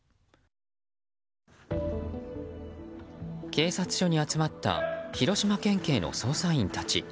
警察署に集まった広島県警の捜査員たち。